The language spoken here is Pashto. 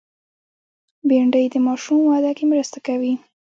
بېنډۍ د ماشوم وده کې مرسته کوي